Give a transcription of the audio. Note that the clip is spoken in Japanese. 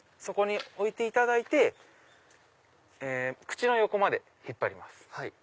そこに置いていただいて口の横まで引っ張ります。